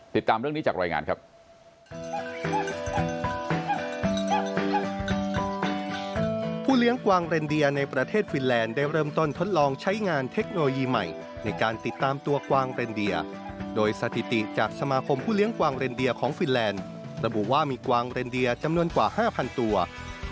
ติดตามเรื่องนี้จากรายงานครับ